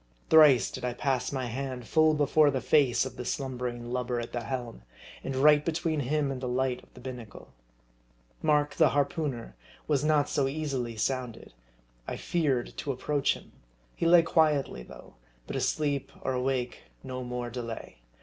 Thrice did I pass my hand full before the face of the slumbering lubber at the helm, and right be tween him and the light of the binnacle. Mark, the harpooneer, was not so easily sounded. I feared MARDI. 41 to approach him. He lay quietly, though ; but asleep or awake, no more delay.